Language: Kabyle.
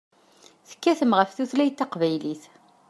Tekkatem ɣef tutlayt taqbaylit.